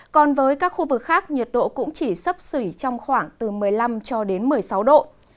còn với các khu vực khác nhiệt độ cũng chỉ sấp xỉ trong khoảng từ một mươi năm cho đến một mươi sáu độ